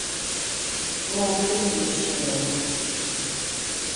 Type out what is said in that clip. No est istadu unu sèberu.